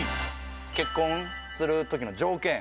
結婚するときの条件